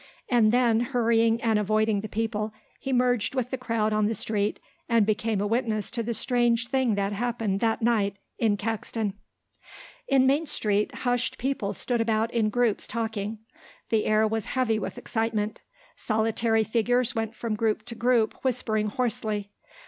And, then, hurrying and avoiding the people, he merged with the crowd on the street and became a witness to the strange thing that happened that night in Caxton. In Main Street hushed people stood about in groups talking. The air was heavy with excitement. Solitary figures went from group to group whispering hoarsely.